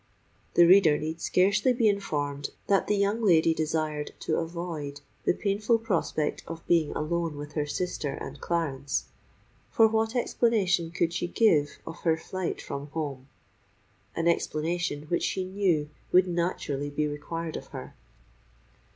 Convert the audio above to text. The reader need scarcely be informed that the young lady desired to avoid the painful prospect of being alone with her sister and Clarence: for what explanation could she give of her flight from home?—an explanation which she knew would naturally be required of her.